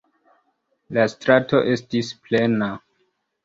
La strato estis plena.